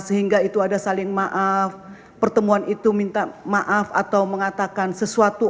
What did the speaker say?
sehingga itu ada saling maaf pertemuan itu minta maaf atau mengatakan sesuatu